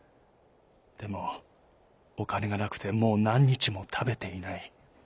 でもおかねがなくてもうなんにちもたべていない。